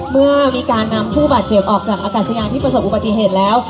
เมื่อมีการนำผู้บาดเจ็บออกจากอากาศยานที่ประสบอุบัติเหตุแล้ว